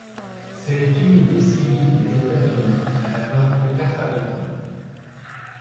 C'est une des six villes des États-Unis à n'avoir que quatre habitants.